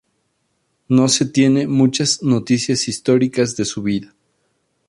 No se tiene muchas noticias históricas de su vida.